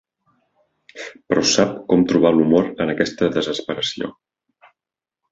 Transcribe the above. Però sap com trobar l"humor en aquesta desesperació.